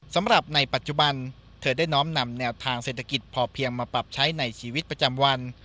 สำหรับในปัจจุบันเธอได้น้อมนำแนวทางเศรษฐกิจพอเพียงมาปรับใช้ในชีวิตประจำวัน